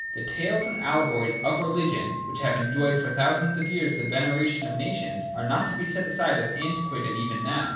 The tales and allegories of religion, which have enjoyed for thousands of years the veneration of nations, are not to be set aside as antiquated even now.